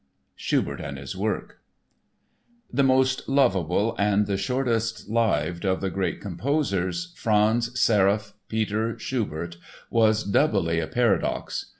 Schubert AND HIS WORK The most lovable and the shortest lived of the great composers, Franz Seraph Peter Schubert was doubly a paradox.